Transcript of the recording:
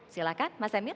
silahkan mas emil